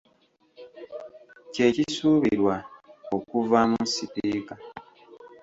Kye kisuubirwa okuvaamu sipiika.